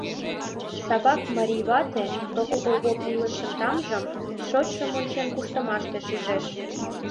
Савак марий вате Прокол Овоп илышын тамжым шочшым ончен куштымаште шижеш.